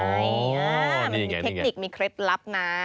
ใช่มันมีเทคนิคมีเคล็ดลับนะ